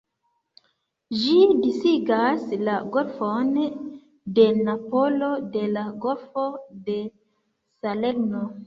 Ĝi disigas la Golfon de Napolo de la Golfo de Salerno.